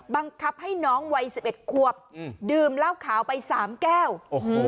บังคับให้น้องวัยสิบเอ็ดควบอืมดื่มเหล้าขาวไปสามแก้วโอ้โห